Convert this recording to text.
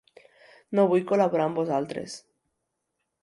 No vull col·laborar amb vosaltres.